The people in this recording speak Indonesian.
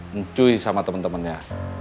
mencuri sama temen temennya